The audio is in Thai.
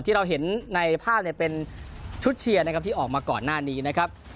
ที่เราเห็นในภาพเนี่ยเป็นชุดเชียร์นะครับที่ออกมาก่อนหน้านี้นะครับ